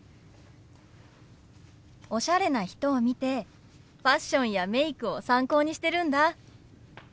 おしゃれな人を見てファッションやメイクを参考にしてるんだ。